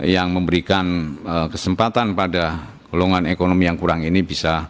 yang memberikan kesempatan pada golongan ekonomi yang kurang ini bisa